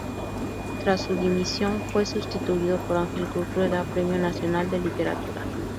Tras su dimisión fue sustituido por Ángel Cruz Rueda, premio nacional de Literatura.